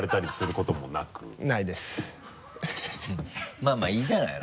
まぁまぁいいじゃないの。